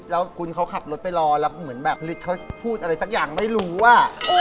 แล้วคุณเขาขับรถไปรอแล้วเหมือนแบบฤทธิเขาพูดอะไรสักอย่างไม่รู้อ่ะ